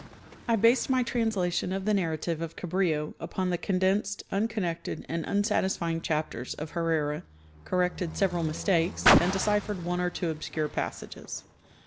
I based my translation of the narrative of Cabrillo upon the condensed, unconnected and unsatisfying chapters of Herrera corrected several mistakes and deciphered one or two obscure passages.